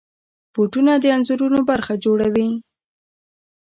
بوټونه د انځورونو برخه جوړوي.